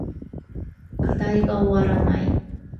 課題が終わらない